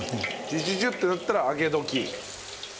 ジュジュジュってなったら上げ時。